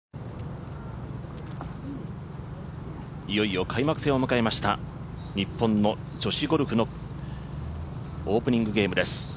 いよいよ開幕戦を迎えました日本の女子ゴルフのオープニングゲームです。